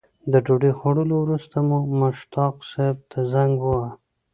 د ډوډۍ خوړلو وروسته مو مشتاق صیب ته زنګ وواهه.